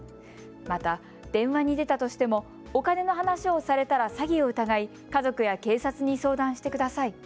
また電話に出たとしてもお金の話をされたら詐欺を疑い家族や警察に相談してください。